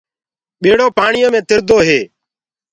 ٻيڙو پآڻيو مي تِردو هي۔